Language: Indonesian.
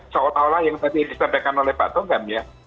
soal soal yang tadi disampaikan oleh pak tonggam ya